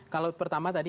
kalau pertama tadi